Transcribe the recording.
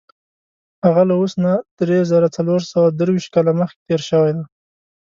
هغه له اوس نه دری زره څلور سوه درویشت کاله مخکې تېر شوی دی.